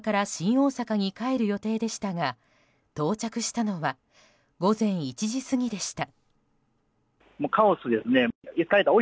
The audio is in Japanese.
大阪に帰る予定でしたが到着したのは午前１時過ぎでした。